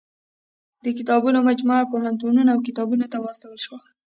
د کتابونو مجموعه پوهنتونونو او کتابتونو ته واستول شوه.